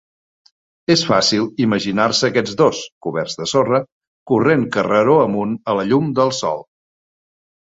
És fàcil imaginar-se a aquests dos, coberts de sorra, corrent carreró amunt a la llum del sol.